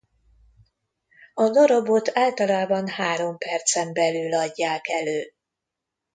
A darabot általában három percen belül adják elő.